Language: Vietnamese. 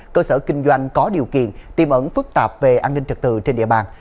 cơ sở kinh doanh có điều kiện tiêm ẩn phức tạp về an ninh trật tự trên địa bàn